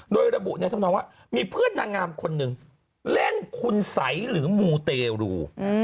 โดยระบุเนี่ยท่านพ่อมันว่ามีเพื่อนนางงามคนนึงเล่นคุณไสหรือมูเตรู